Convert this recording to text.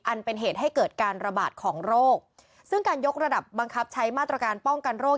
เป็นเหตุให้เกิดการระบาดของโรคซึ่งการยกระดับบังคับใช้มาตรการป้องกันโรค